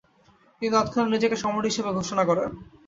তিনি তৎক্ষণাত নিজেকে সম্রাট হিসাবে ঘোষণা করেন।